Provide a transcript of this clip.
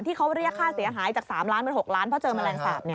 ที่เขาเรียกค่าเสียหายจาก๓ล้านเป็น๖ล้านเพราะเจอแมลงสาป